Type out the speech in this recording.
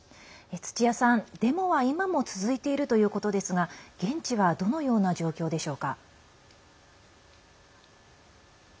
土屋さん、デモは今も続いているということですが現地はどのような状況でしょうか？